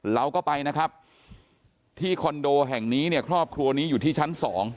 เราก็ไปนะครับที่คอนโดแห่งนี้เนี่ยครอบครัวนี้อยู่ที่ชั้น๒